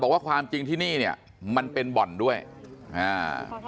ความจริงที่นี่เนี้ยมันเป็นบ่อนด้วยอ่า